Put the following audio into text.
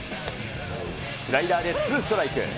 スライダーでツーストライク。